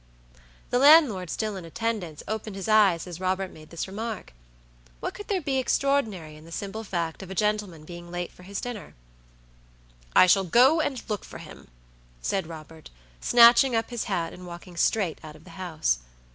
The landlord still in attendance, opened his eyes as Robert made this remark. What could there be extraordinary in the simple fact of a gentleman being late for his dinner? "I shall go and look for him," said Robert, snatching up his hat and walking straight out of the house.